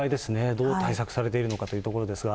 どう対策されているのかというところですが。